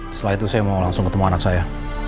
setelah itu saya mau langsung ketemu anak saya